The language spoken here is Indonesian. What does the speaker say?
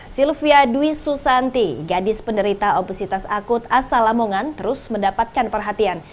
sylvia dwi susanti gadis penderita obesitas akut asal lamongan terus mendapatkan perhatian